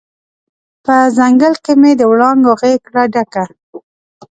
په ځنګل کې مې د وړانګو غیږ کړه ډکه